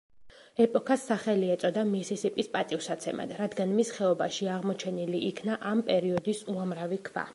ეპოქას სახელი ეწოდა მისისიპის პატივსაცემად, რადგან მის ხეობაში აღმოჩენილი იქნა ამ პერიოდის უამრავი ქვა.